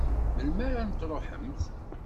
Melmi ara n-truḥemt?